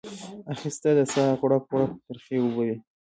اخیسته د ساه غړپ غړپ ترخې اوبه وې